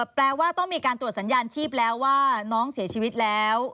แปลว่าต้องมีการตรวจสัญญาณชีพแล้วว่าน้องเสียชีวิตแล้ว